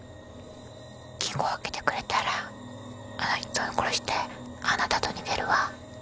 金庫開けてくれたらあの人を殺してあなたと逃げるわ。